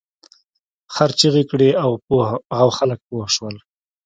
خر چیغې کړې او خلک پوه شول.